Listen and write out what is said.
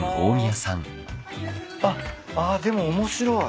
あっあでも面白い。